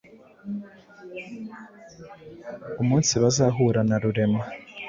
umunsi bazahura na Rurema